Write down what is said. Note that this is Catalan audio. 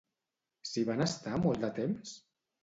S'hi van estar molt de temps?